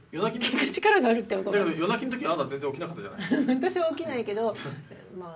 私は起きないけどまあ。